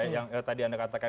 yang tadi anda katakan